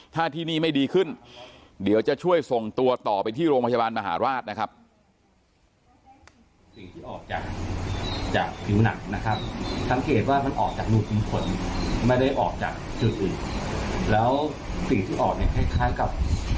ถ้าที่นี่ไม่ดีขึ้นเดี๋ยวจะช่วยส่งตัวต่อไปที่โรงพยาบาลมหาราชนะครับ